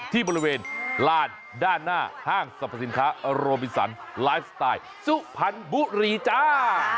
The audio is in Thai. ที่บริเวณลานด้านหน้าห้างสรรพสินค้าโรบินสันไลฟ์สไตล์สุพรรณบุรีจ้า